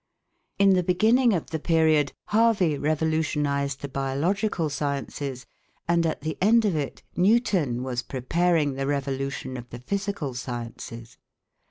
In the beginning of the period, Harvey revolutionized the biological sciences, and at the end of it, Newton was preparing the revolution of the physical sciences.